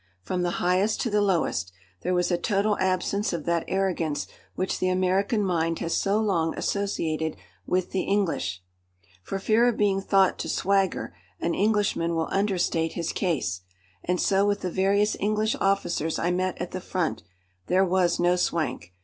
From the highest to the lowest, there was a total absence of that arrogance which the American mind has so long associated with the English. For fear of being thought to swagger, an Englishman will understate his case. And so with the various English officers I met at the front. There was no swank.